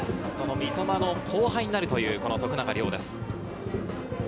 三笘の後輩になるという徳永涼です。